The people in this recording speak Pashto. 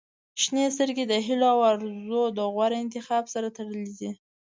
• شنې سترګې د هیلو او آرزووو د غوره انتخاب سره تړلې دي.